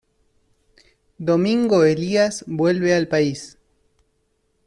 Domingo Elías vuelve al país.